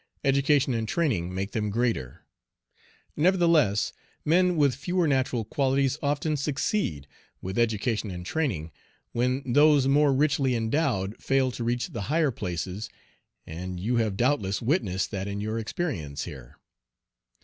Education and training make them greater; nevertheless, men with fewer natural qualities often succeed, with education and training, when those more richly endowed fail to reach the higher places, and you have doubtless witnessed that in your experience here.